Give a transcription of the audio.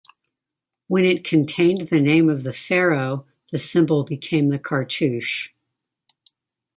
When it contained the name of the pharaoh the symbol became the cartouche.